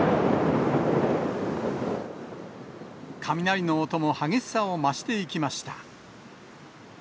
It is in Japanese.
雷の音も激しさを増していきました。